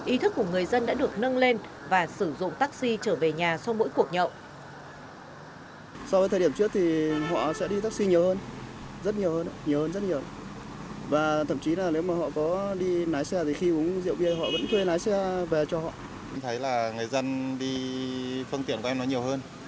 ý thức của người dân đã được nâng lên và sử dụng taxi trở về nhà sau mỗi cuộc nhậu